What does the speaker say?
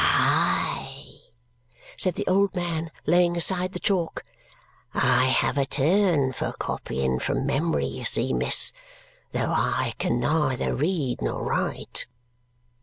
"Hi!" said the old man, laying aside the chalk. "I have a turn for copying from memory, you see, miss, though I can neither read nor write."